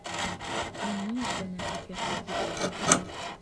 Мин ни эшләнем һеҙгә шул тиклем?